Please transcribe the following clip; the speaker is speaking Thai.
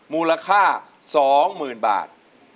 มูลค่าสองหมื่นบาท